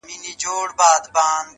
خدايه ما وبخښې په دې کار خجالت کومه-